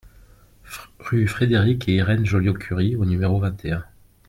Rue Frédéric et Irène Joliot-Curie au numéro vingt et un